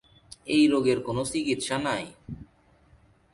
এই রোগের কোন চিকিৎসা নেই।